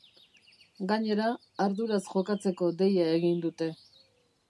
Gainera, arduraz jokatzeko deia egin dute.